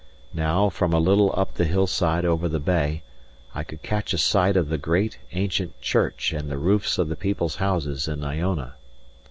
Now, from a little up the hillside over the bay, I could catch a sight of the great, ancient church and the roofs of the people's houses in Iona.